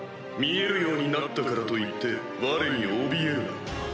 見えるようになったからといってわれにおびえるな。